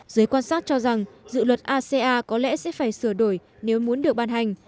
giới quan sát cho rằng dự luật aca có lẽ sẽ phải sửa đổi nếu muốn được ban hành